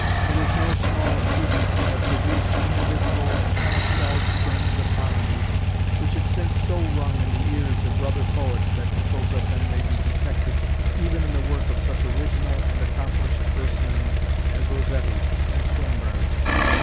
It is no small achievement to have produced individual and unexcelled strains of harmony which have since so rung in the ears of brother poets that echoes of them may be detected even in the work of such original and accomplished versemen as Rossetti and Swinburne.